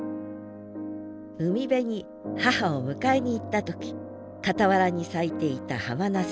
海辺に母を迎えに行った時傍らに咲いていたハマナス。